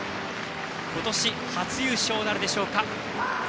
今年初優勝なるでしょうか。